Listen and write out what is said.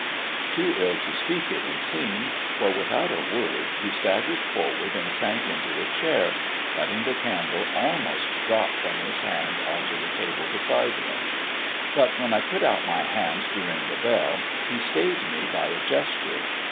Too ill to speak, it would seem, for without a word he staggered forward and sank into a chair, letting the candle almost drop from his hand on to the table beside him; but when I put out my hand to ring the bell, he stayed me by a gesture.